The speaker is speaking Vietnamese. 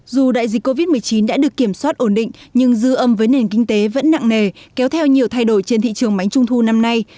dù đại dịch covid một mươi chín đã được kiểm soát ổn định nhưng dư âm với nền kinh tế vẫn nặng nề kéo theo nhiều thay đổi trên thị trường bánh trung thu năm nay